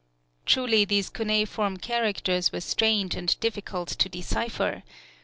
Truly these cuneiform characters were strange and difficult to decipher!